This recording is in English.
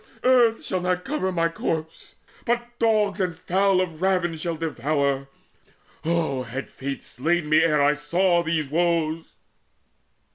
Earth shall cover not my corpse, But dogs and fowl of ravin shall devour. Oh had Fate slain me ere I saw these woes!"